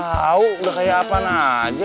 tahu udah kayak apaan aja